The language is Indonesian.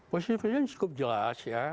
posisi presiden cukup jelas ya